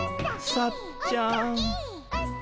さっちゃん。